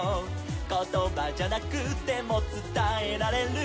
「ことばじゃなくてもつたえられる」